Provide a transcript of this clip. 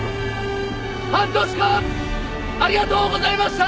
半年間ありがとうございました！